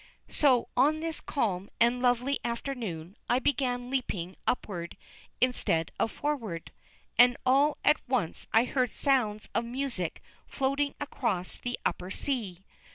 So on this calm and lovely afternoon I began leaping upward instead of forward, and all at once I heard sounds of music floating across the upper sea.